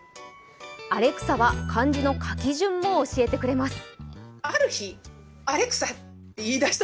アレクサは漢字の書き順も教えてくれます。